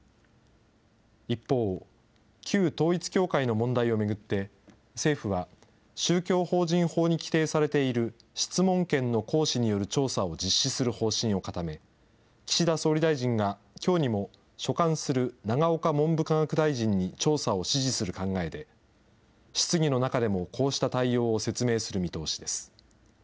一方、旧統一教会の問題を巡って、政府は、宗教法人法に規定されている質問権の行使による調査を実施する方針を固め、岸田総理大臣がきょうにも所管する永岡文部科学大臣に調査を指示する考えで、質疑の中でもこうした対応を説明する見通しです。